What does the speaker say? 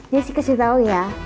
jessy kasih tau ya